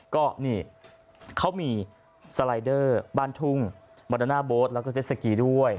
ก็นี่เขามีสไลเดอร์บ้านทุ่งบาดาน่าโบ๊ทแล้วก็เจ็ดสกีด้วย